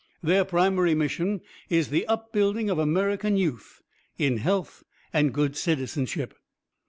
Their primary mission is the upbuilding of American youth in health and good citizenship.